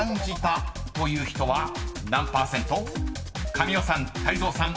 ［神尾さん泰造さん